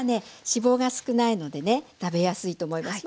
脂肪が少ないのでね食べやすいと思います。